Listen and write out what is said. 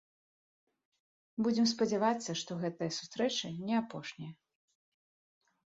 Будзем спадзявацца, што гэта сустрэча не апошняя.